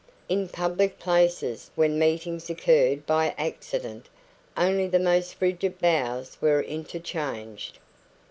In public places, when meetings occurred by accident, only the most frigid bows were interchanged.